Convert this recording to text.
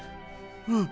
うん！